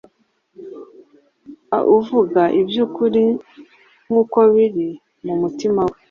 uvuga iby’ukuri nk’uko biri mu mutima we